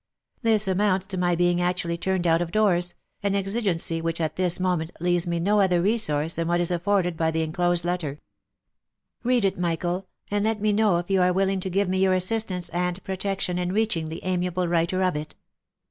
This amounts to my being actually turned out of doors, an exigency which at this moment leaves me no other resource than what is afforded by the enclosed let ter. Read it, Michael, and let me know if you are willing to give me your assistance and protection in reaching the amiable writer of it.